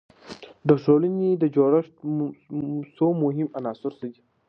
د ټولنې د جوړښت څو مهم عناصر څه دي؟